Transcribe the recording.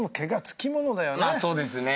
そうですね。